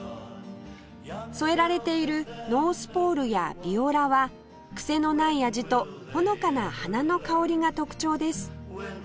添えられているノースポールやビオラは癖のない味とほのかな花の香りが特徴です